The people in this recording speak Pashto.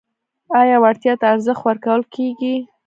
آیا وړتیا ته ارزښت ورکول کیږي؟